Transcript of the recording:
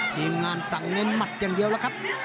ทีมงานสั่งเน้นหมัดอย่างเดียวแล้วครับ